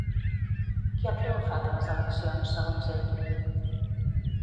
Qui ha triomfat a les eleccions, segons ell?